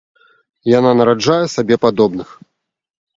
Яна нараджае сабе падобных.